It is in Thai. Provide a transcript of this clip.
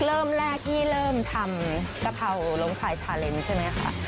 เริ่มแรกที่เริ่มทำกะเพราล้มควายชาเลนใช่ไหมคะ